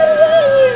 terima kasih kirun